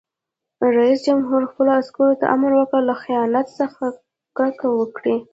رئیس جمهور خپلو عسکرو ته امر وکړ؛ له خیانت څخه کرکه وکړئ!